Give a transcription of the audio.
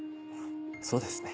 そうですね。